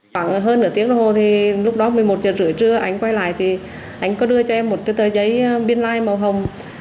khoảng hơn nửa tiếng lâu hồi thì lúc đó một mươi một h ba mươi trưa anh quay lại thì anh có đưa cho em một cái tờ giấy biên lai màu hồng